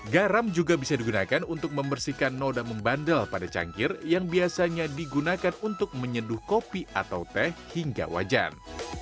garam juga bisa digunakan untuk membersihkan noda membandel pada cangkir yang biasanya digunakan untuk menyeduh kopi atau teh hingga wajan